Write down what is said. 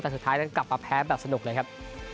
แต่สุดท้ายนั้นกลับมาแพ้แบบสนุกเลยครับ